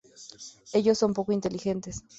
Ellos son poco inteligentes.